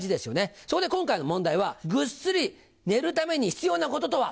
そこで今回の問題はぐっすり寝るために必要なこととは？